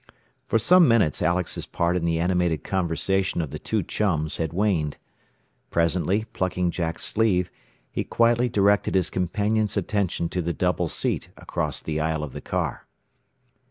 For some minutes Alex's part in the animated conversation of the two chums had waned. Presently, plucking Jack's sleeve, he quietly directed his companion's attention to the double seat across the aisle of the car.